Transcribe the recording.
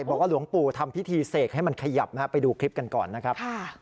บอกว่าหลวงปู่ทำพิธีเสกให้มันขยับไปดูคลิปกันก่อนนะครับ